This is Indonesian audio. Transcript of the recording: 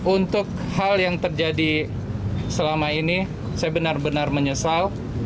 untuk hal yang terjadi selama ini saya benar benar menyesal